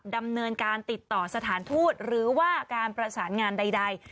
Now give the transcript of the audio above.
ดำเนินการติดต่อสถานทูตหรือว่าการประสานงานใด